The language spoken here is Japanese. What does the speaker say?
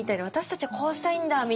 私たちはこうしたいんだ！